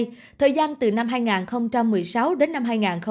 hay thời gian từ năm hai nghìn một mươi sáu đến năm hai nghìn một mươi chín